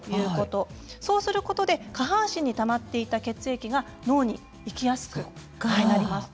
そうすることで下半身にたまっていた血液が脳に行きやすくなります。